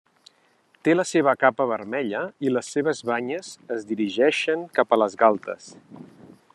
Té la seva capa vermella i les seves banyes es dirigeixen cap a les galtes.